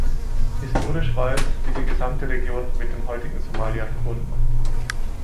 Historisch war es, wie die gesamte Region, mit dem heutigen Somalia verbunden.